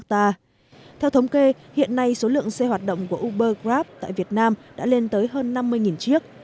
theo thống kê hiện nay số lượng xe hoạt động của uber grab tại việt nam đã lên tới hơn năm mươi chiếc